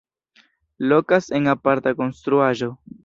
Lokas en aparta konstruaĵo.